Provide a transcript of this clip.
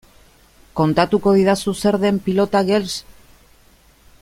Kontatuko didazu zer den Pilota Girls?